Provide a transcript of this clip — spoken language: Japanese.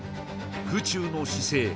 空中の姿勢